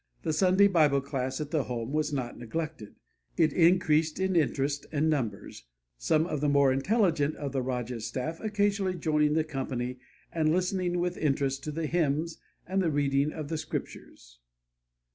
The Sunday Bible class at the home was not neglected; it increased in interest and numbers, some of the more intelligent of the Rajah's staff occasionally joining the company and listening with interest to the hymns and the reading of the Scriptures.